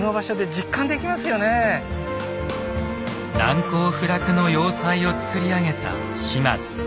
難攻不落の要塞をつくり上げた島津。